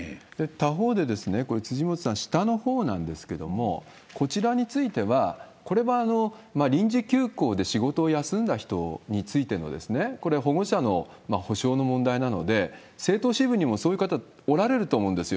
他方で、これ、辻元さん、下のほうなんですけれども、こちらについては、これは臨時休校で仕事を休んだ人についての、これ、保護者の補償の問題なので、政党支部にもそういう方おられると思うんですよ。